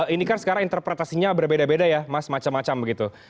ini kan sekarang interpretasinya berbeda beda ya mas macam macam begitu